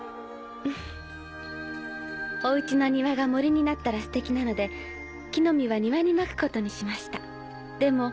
「お家の庭が森になったらすてきなので木の実は庭にまくことにしましたでも」。